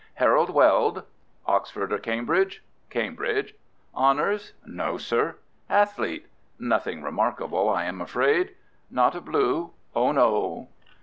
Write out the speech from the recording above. "Harold Weld." "Oxford or Cambridge?" "Cambridge." "Honours?" "No, sir." "Athlete?" "Nothing remarkable, I am afraid." "Not a Blue?" "Oh, no."